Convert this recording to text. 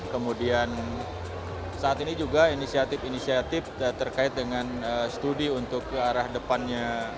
kemudian saat ini juga inisiatif inisiatif terkait dengan studi untuk ke arah depannya